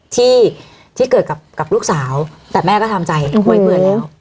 ที่ที่เกิดกับลูกสาวแต่แม่ก็ทำใจไว้เบื่อแล้ว